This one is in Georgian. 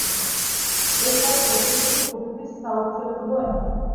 ეს არის ეთნიკური ჯგუფების საურთიერთობო ენა.